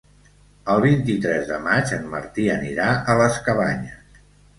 El vint-i-tres de maig en Martí anirà a les Cabanyes.